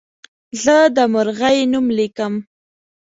زه د مرغۍ نوم لیکم.